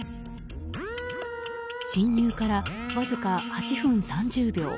侵入からわずか８分３０秒。